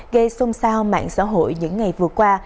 gây xôn xao mạng xã hội những ngày vừa qua